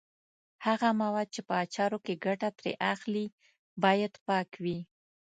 هغه مواد چې په اچارو کې ګټه ترې اخلي باید پاک وي.